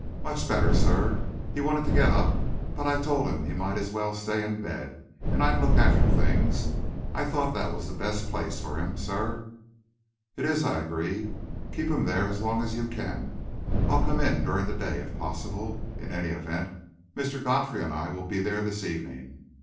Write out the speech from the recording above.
"Much better, sir. He wanted to get up, but I told him he might as well stay in bed, and I'd look after things. I thought that was the best place for him, sir." "It is," I agreed. "Keep him there as long as you can. I'll come in during the day, if possible; in any event, Mr. Godfrey and I will be there this evening.